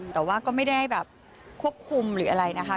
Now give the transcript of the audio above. แต่ว่าก็ไม่ได้แบบควบคุมหรืออะไรนะคะ